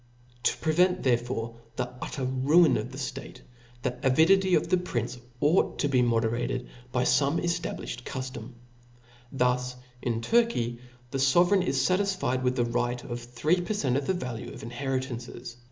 To prevent therefore the utter ruin of the (tate, the avidity of the prince ought to be moderated by feme eftabliflied cuftorii. • Thus, in Turky, the fovcrcign is fatisfied with the right of three per cent, pn the value of inheritances